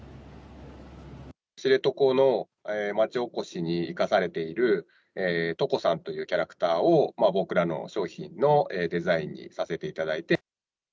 知床の町おこしに生かされているトコさんというキャラクターを、僕らの商品のデザインにさせていただいて。